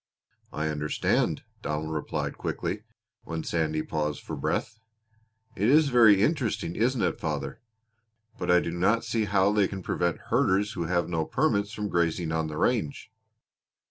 "I understand," Donald replied quickly, when Sandy paused for breath. "It is very interesting isn't it, father? But I do not see how they can prevent herders who have no permits from grazing on the range."